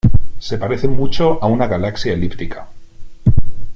Se parece mucho a una galaxia elíptica.